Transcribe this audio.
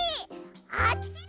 あっちだ！